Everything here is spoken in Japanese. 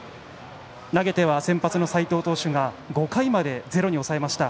投げては先発の斎藤投手が５回までゼロに抑えました。